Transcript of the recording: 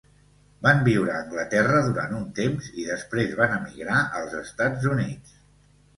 Van viure a Anglaterra durant un temps i després van emigrar als Estats Units.